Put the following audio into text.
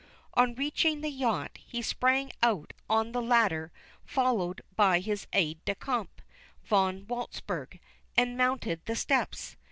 On reaching the yacht, he sprang out on the ladder, followed by his aide de camp, Von Walzburg, and mounted the steps.